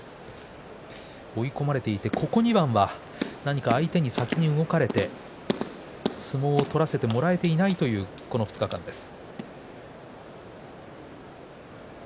追い込まれていて、ここ２番はなにか相手に先に動かれて相撲を取らせてもらえていないという、この２日間です。